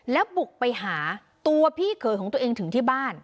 แล้วบุกไปหาตัวพี่เขยของตัวเองถึงที่บ้าน